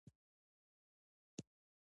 جواهرات د افغانستان د طبیعي زیرمو برخه ده.